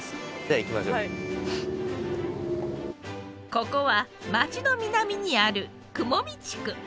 ここは町の南にある雲見地区。